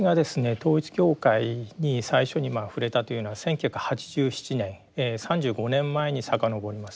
統一教会に最初に触れたというのは１９８７年３５年前に遡ります。